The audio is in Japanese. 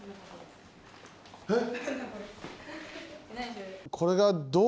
えっ？